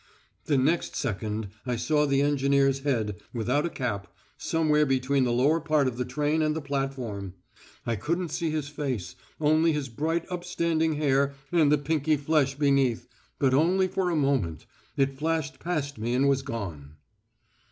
The next second I saw the engineer's head, without a cap, somewhere between the lower part of the train and the platform. I couldn't see his face, only his bright upstanding hair and the pinky flesh beneath, but only for a moment, it flashed past me and was gone....